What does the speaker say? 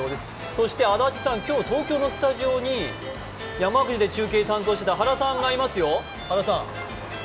そして安達さん、今日、東京のスタジオに山口で中継を担当していました原さんがいますよ。